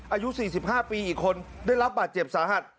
อายุ๔๕ปีอีกคนได้รับบาดเจ็บสาหัส